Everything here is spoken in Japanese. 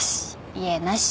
家なし。